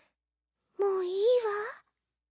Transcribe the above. もういいわ。